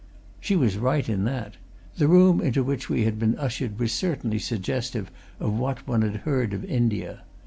She was right in that. The room into which we had been ushered was certainly suggestive of what one had heard of India.